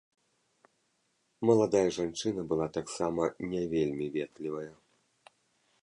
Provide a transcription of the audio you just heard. Маладая жанчына была таксама не вельмі ветлівая.